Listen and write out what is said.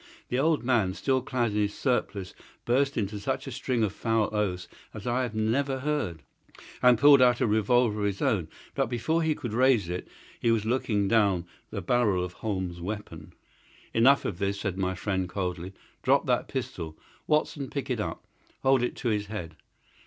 The old man, still clad in his surplice, burst into such a string of foul oaths as I have never heard, and pulled out a revolver of his own, but before he could raise it he was looking down the barrel of Holmes's weapon. "Enough of this," said my friend, coldly. "Drop that pistol! Watson, pick it up! Hold it to his head!